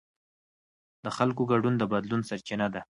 د خلکو ګډون د بدلون سرچینه ده